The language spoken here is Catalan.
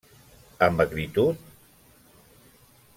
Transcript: -Amb acritud?